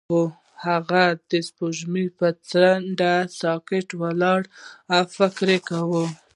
هغه د سپوږمۍ پر څنډه ساکت ولاړ او فکر وکړ.